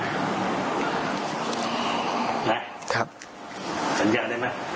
สัญญาได้ไหม